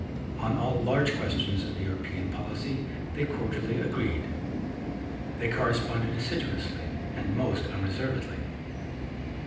On all large questions of European policy they cordially agreed. They corresponded assiduously and most unreservedly.